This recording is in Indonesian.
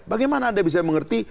bagaimana anda bisa mengerti